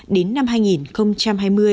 đến năm hai nghìn hai mươi